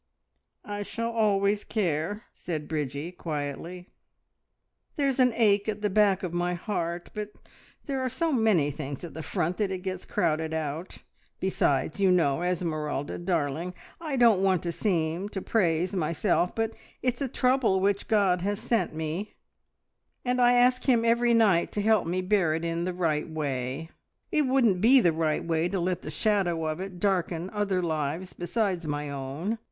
"I shall always care," said Bridgie quietly. "There's an ache at the back of my heart, but there are so many things at the front that it gets crowded out. Besides, you know, Esmeralda darling, I don't want to seem to praise myself, but it's a trouble which God has sent me, and I ask Him every night to help me to bear it in the right way. It wouldn't be the right way to let the shadow of it darken other lives besides my own.